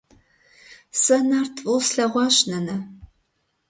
Сэ Нарт фӀыуэ слъэгъуащ, нанэ.